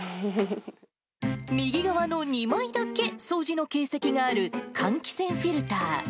右側の２枚だけ掃除の形跡がある換気扇フィルター。